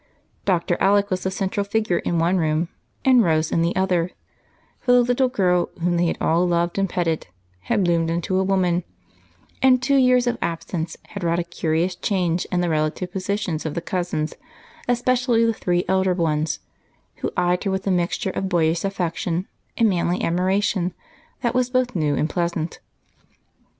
Dr. Alec was the central figure in one room and Rose in the other, for the little girl, whom they had all loved and petted, had bloomed into a woman, and two years of absence had wrought a curious change in the relative positions of the cousins, especially the three elder ones, who eyed her with a mixture of boyish affection and manly admiration that was both new and pleasant.